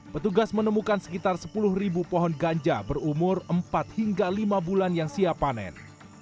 petugas menemukan sekitar sepuluh ribu pohon ganja berumur empat hingga lima bulan yang siap panen